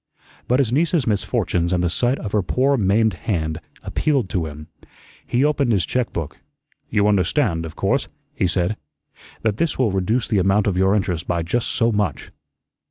But his niece's misfortunes and the sight of her poor maimed hand appealed to him. He opened his check book. "You understand, of course," he said, "that this will reduce the amount of your interest by just so much."